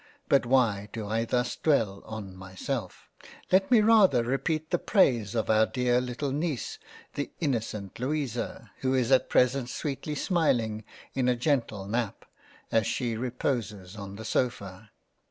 But why do I thus dwell on myself ? Let me rather repeat the praise of our dear little Neice the innocent Louisa, who is at present sweetly smiling in a gentle Nap, as she re poses on the sofa.